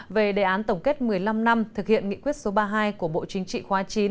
về đề án tổng kết một mươi năm năm thực hiện nghị quyết số ba mươi hai của bộ chính trị khóa chín